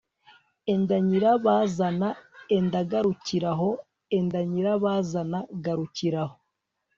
enda nyirabazana, enda garukira aho enda nyirabazana garukira aho